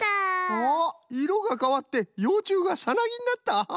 あっいろがかわってようちゅうがサナギになった。